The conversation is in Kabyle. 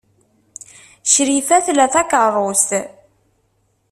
Crifa tla takeṛṛust.